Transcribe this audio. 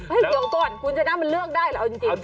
เดี๋ยวก่อนคุณชนะมันเลือกได้เหรอเอาจริง